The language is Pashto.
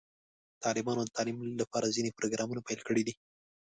طالبانو د تعلیم لپاره ځینې پروګرامونه پیل کړي دي.